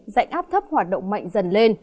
dạnh áp thấp hoạt động mạnh dần lên